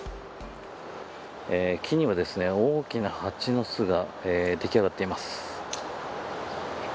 木には大きなハチの巣が出来上がっています。